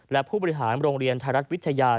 และผู้บริหารโรงเรียนไทยรัฐวิทยา